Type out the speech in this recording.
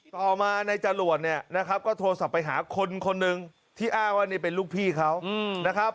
ต่อมาในจรวดเนี่ยนะครับก็โทรศัพท์ไปหาคนคนหนึ่งที่อ้างว่านี่เป็นลูกพี่เขานะครับ